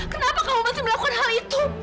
kenapa kamu pasti melakukan hal itu